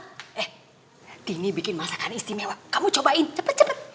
eh tini bikin masakan istimewa kamu cobain cepet cepet